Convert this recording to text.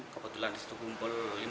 keputulan di situ kumpul